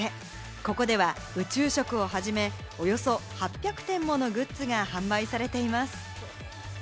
ここでは宇宙食をはじめ、およそ８００点ものグッズが販売されています。